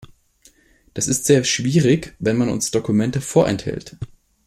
Das ist sehr schwierig, wenn man uns Dokumente vorenthält.